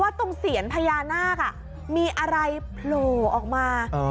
ว่าตรงเสียนพญานาคอ่ะมีอะไรโหลออกมาเออ